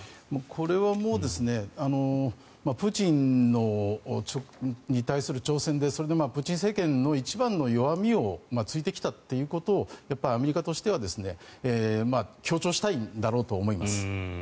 これはもうプーチンに対する挑戦でそれでプーチン政権の一番の弱みを突いてきたということをアメリカとしては強調したいんだろうと思います。